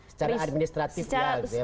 secara administratif ya